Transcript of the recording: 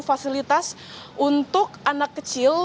fasilitas untuk anak kecil